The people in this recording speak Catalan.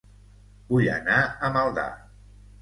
Vull anar a Maldà